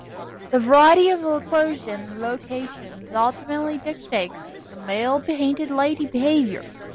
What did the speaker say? The variety of eclosion locations ultimately dictates the male painted lady behavior.